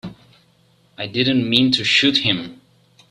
I didn't mean to shoot him.